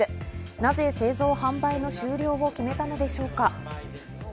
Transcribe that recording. なぜ製造販売の終了を決めたのでしょうか。